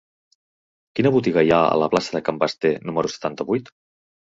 Quina botiga hi ha a la plaça de Can Basté número setanta-vuit?